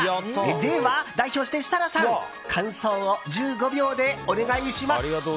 では、代表して設楽さん感想を１５秒でお願いします。